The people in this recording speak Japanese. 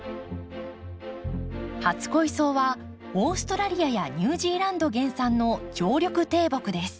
初恋草はオーストラリアやニュージーランド原産の常緑低木です。